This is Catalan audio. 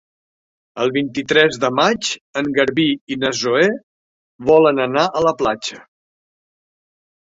El vint-i-tres de maig en Garbí i na Zoè volen anar a la platja.